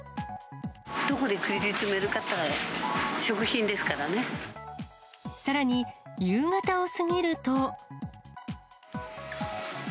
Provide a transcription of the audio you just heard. どこで切り詰めるかっていっさらに、夕方を過ぎると。